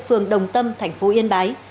phường đồng tâm thành phố yên bái